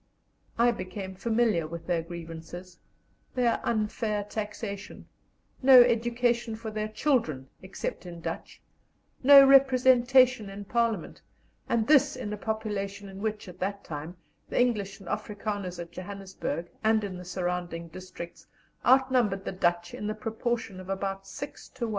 I became familiar with their grievances their unfair taxation; no education for their children except in Dutch; no representation in Parliament and this in a population in which, at that time, the English and Afrikanders at Johannesburg and in the surrounding districts outnumbered the Dutch in the proportion of about 6 to 1.